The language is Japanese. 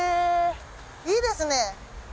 いいですね。